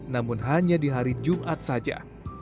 namun hanya di hari jumat saja